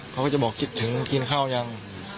เขาก็จะบอกคิดถึงกินข้าวยัง